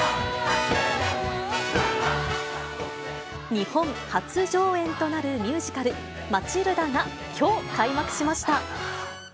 日本初上演となるミュージカル、マチルダがきょう開幕しました。